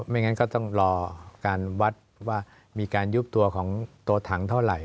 ไม่งั้นก็ต้องรอการวัดว่ามีการยุบตัวของตัวถังเท่าไหร่